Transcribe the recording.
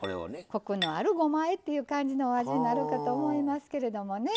コクのあるごまあえという感じのお味になるかと思いますけれどもね。